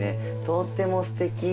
とってもすてき。